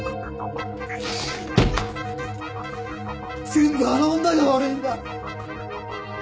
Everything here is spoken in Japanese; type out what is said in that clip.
全部あの女が悪いんだ！